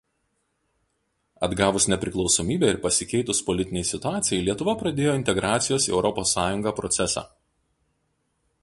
Atgavus nepriklausomybę ir pasikeitus politinei situacijai Lietuva pradėjo integracijos į Europos Sąjungą procesą.